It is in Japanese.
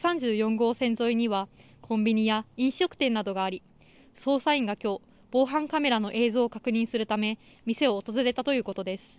号線沿いにはコンビニや飲食店などがあり捜査員がきょう防犯カメラの映像を確認するため店を訪れたということです。